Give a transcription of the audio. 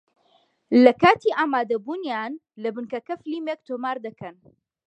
لە کاتی ئامادەبوونیان لە بنکەکە فیلمێک تۆمار دەکەن